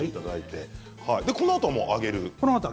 このあとは揚げる。